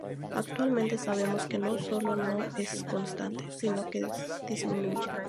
Actualmente sabemos que no sólo no es constante, sino que disminuye.